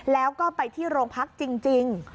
แล้วก็ไปที่โรงพักจริง